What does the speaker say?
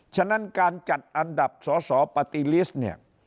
ฉะนั้นการจัดอันดับสสปติฤษฐ์เนี่ย